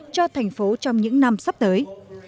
cho thành phố trong những năm sắp tới